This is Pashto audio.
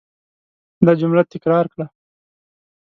دا جمله تکرار کړه.